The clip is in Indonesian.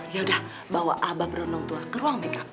yaudah bawa aba berenung tua ke ruang makeup